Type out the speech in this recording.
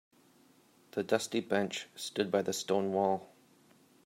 The dusty bench stood by the stone wall.